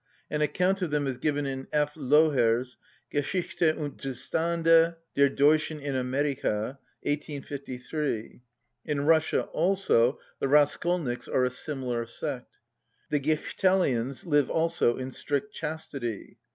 An account of them is given in F. Loher's "Geschichte und Zustande der Deutschen in Amerika," 1853. In Russia also the Raskolniks are a similar sect. The Gichtelians live also in strict chastity.